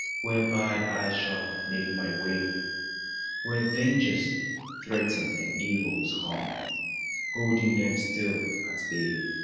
Whereby I shall make my way 65 AN OPTIMIST Where dangers threaten and evils harm, Holding them still at bay